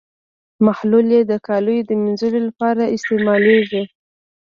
محلول یې د کالیو د مینځلو لپاره استعمالیږي.